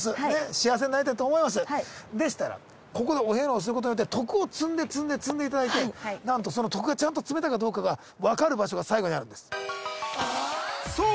幸せになりたいと思いますでしたらここでお遍路をすることによって徳を積んで積んで積んでいただいてなんとその徳がちゃんと積めたかどうかが分かる場所が最後にあるんですそう